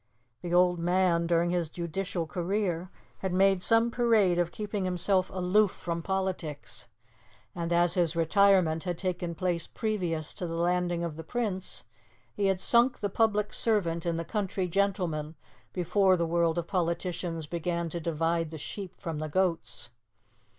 The old man, during his judicial career, had made some parade of keeping himself aloof from politics; and as his retirement had taken place previous to the landing of the Prince, he had sunk the public servant in the country gentleman before the world of politicians began to divide the sheep from the goats.